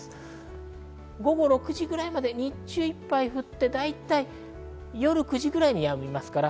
午後６時ぐらいまで日中いっぱい降って、だいたい夜９時ぐらいにやみます。